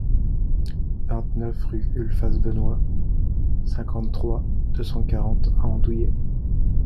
vingt-neuf rue Ulphace Benoit, cinquante-trois, deux cent quarante à Andouillé